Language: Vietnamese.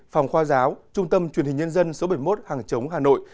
phòng khoa giáo trung tâm truyền hình nhân dân số bảy mươi một hàng chống hà nội